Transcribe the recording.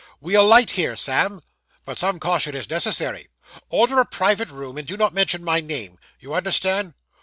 We alight here, Sam. But some caution is necessary. Order a private room, and do not mention my name. You understand.